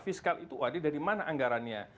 fiskal itu adil dari mana anggarannya